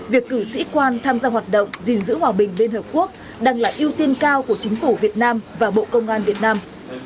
việc cử sĩ quan tham gia hoạt động gìn giữ hòa bình liên hợp quốc đang là ưu tiên cao của chính phủ việt nam và bộ công an việt nam